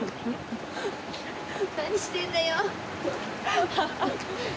何してんだよ。